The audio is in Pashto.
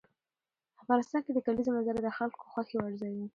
افغانستان کې د کلیزو منظره د خلکو د خوښې وړ ځای دی.